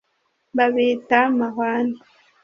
Babita mahwane